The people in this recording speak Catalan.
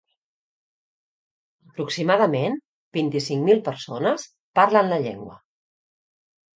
Aproximadament vint-i-cinc mil persones parlen la llengua.